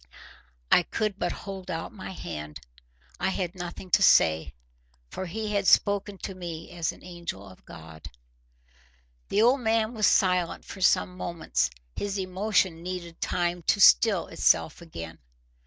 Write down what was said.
I could but hold out my hand. I had nothing to say. For he had spoken to me as an angel of God. The old man was silent for some moments: his emotion needed time to still itself again.